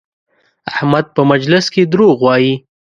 احمد په مجلس کې دروغ وایي؛